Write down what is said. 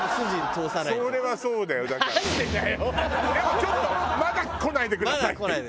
「ちょっとまだ来ないでください」って言って。